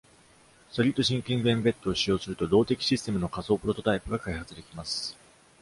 solidThinking Embed を使用すると、動的システムの仮想プロトタイプが開発できます。